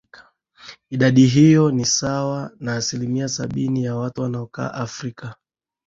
idadi hiyo ni sawa na asilimia sabini ya watu wanaokaa afrika